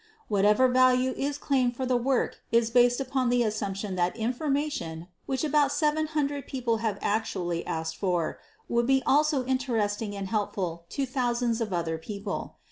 Whatever value is claimed for the work is based upon the assumption that information, which about seven hundred people have actually asked for, would be also interesting and helpful to thousands of other people.